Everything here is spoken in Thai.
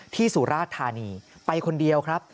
สุราธานีไปคนเดียวครับ